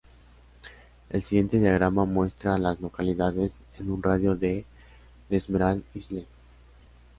El siguiente diagrama muestra a las localidades en un radio de de Emerald Isle.